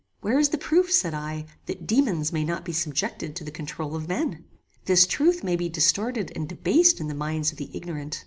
Where is the proof, said I, that daemons may not be subjected to the controul of men? This truth may be distorted and debased in the minds of the ignorant.